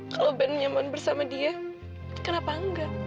kalau band nyaman bersama dia kenapa enggak